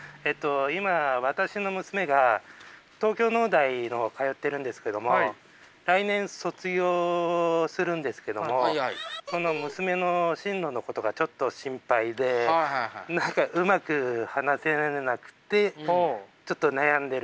今私の娘が東京農大の方通ってるんですけども来年卒業するんですけどもその娘の進路のことがちょっと心配で何かうまく話せなくてちょっと悩んでるんですけども。